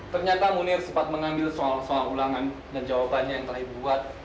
ternyata munir sempat mengambil soal soal ulangan dan jawabannya yang telah dibuat